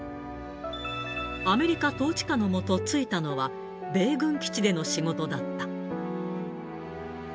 アメリカ統治下の下就いたのは、米軍基地での仕事だった。